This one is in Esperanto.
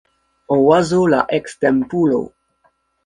Oazo la ekstempulo